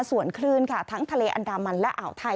ส่วนคลื่นค่ะทั้งทะเลอันดามันและอ่าวไทย